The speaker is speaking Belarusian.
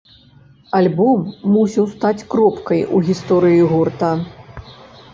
Альбом мусіў стаць кропкай у гісторыі гурта.